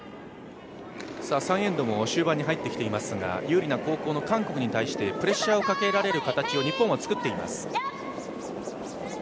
３エンドも終盤に入ってきていますが、韓国に対してプレッシャーをかけられる形を日本は作っています。